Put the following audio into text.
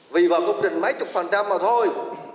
vì vào công trình mấy chục phần trăm mà thôi